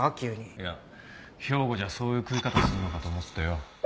いや兵庫じゃそういう食い方するのかと思ってよ。